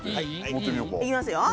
いきますよ。